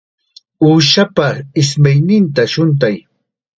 Uushapa ismayninta shuntay.